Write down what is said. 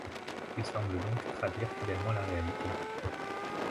Il semble donc traduire fidèlement la réalité.